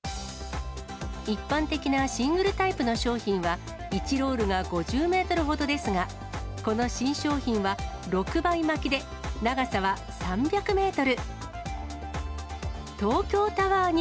一般的なシングルタイプの商品は、１ロールが５０メートルほどですが、この新商品は、６倍巻きで、長さは３００メートル。